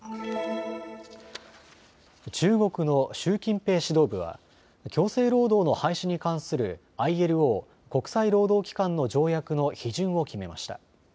中国の習近平指導部は強制労働の廃止に関するＩＬＯ・国際労働機関の条約の批准を決めました。